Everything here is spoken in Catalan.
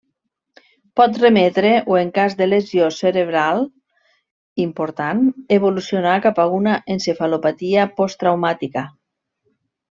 Pot remetre o en cas de lesió cerebral important, evolucionar cap a una encefalopatia posttraumàtica.